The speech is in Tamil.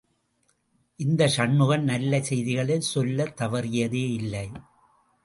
இந்த சண்முகம் நல்ல செய்திகளைச் சொல்ல தவறியதே இல்லை.